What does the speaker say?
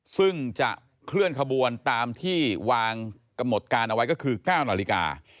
ซึ่งจะเคลื่อนขบวนตามที่วางกำหนดการเอาไว้ก็คือ๙นาฬิกา